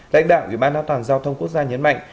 lãnh đạo ủy ban an toàn giao thông quốc gia nhấn mạnh